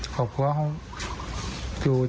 ทั้งแฟนเพลิน